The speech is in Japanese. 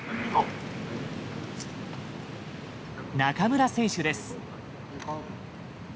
中村選手です。